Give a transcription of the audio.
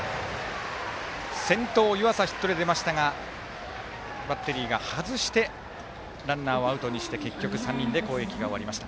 先頭、湯淺がヒットで出ましたがバッテリーが外してランナーをアウトにして結局、３人で攻撃が終わりました。